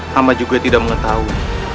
hamba juga tidak mengetahui